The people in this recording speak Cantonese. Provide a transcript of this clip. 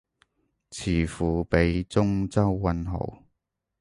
詞庫畀中州韻好